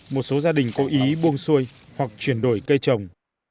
một số gia đình cố ý buông xuôi hoặc chuyển đổi cây trồng